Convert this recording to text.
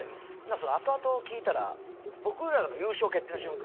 後々聞いたら僕らの優勝決定の瞬間。